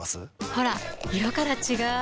ほら色から違う！